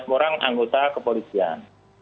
empat belas orang anggota kepolisian